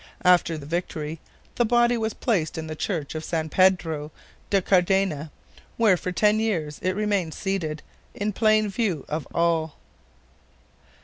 After the victory the body was placed in the Church of San Pedro de Cardeña, where for ten years it remained seated, in plain view of all.